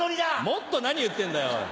もっと何言ってんだよおい！